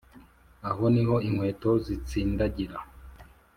aho niho inkweto zitsindagira!